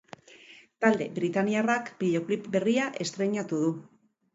Talde britainiarrak bideoklip berria estreinatu du.